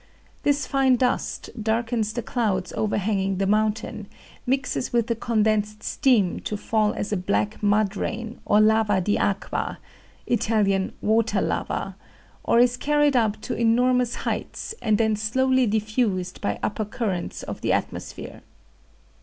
This fine dust darkens the clouds overhanging the mountain, mixes with the condensed steam to fall as a black mud rain, or lava di aqua (Italian, water lava), or is carried up to enormous heights, and then slowly diffused by upper currents of the atmosphere.